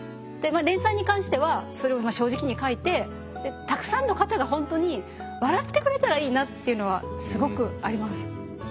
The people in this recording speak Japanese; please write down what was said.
連載に関してはそれを正直に書いてたくさんの方が本当に笑ってくれたらいいなっていうのはすごくあります。